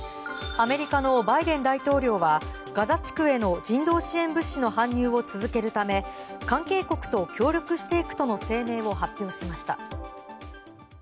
アメリカのバイデン大統領はガザ地区への人道支援物資の搬入を続けるため関係国と協力していくとの声明を発表しました。